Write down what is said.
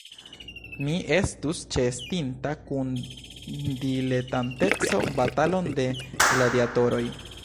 Mi estus ĉeestinta kun diletanteco batalon de gladiatoroj.